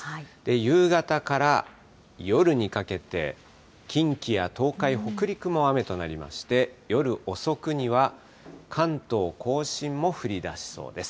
夕方から夜にかけて、近畿や東海、北陸も雨となりまして、夜遅くには、関東甲信も降りだしそうです。